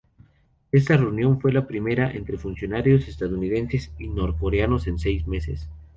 Esta reunión fue la primera entre funcionarios estadounidenses y norcoreanos en seis meses.